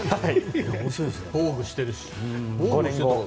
防具してるし。